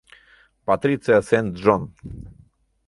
Патриция Сент-Джон